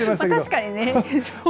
確かにね。